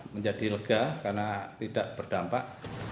menjadi lega karena tidak berdampak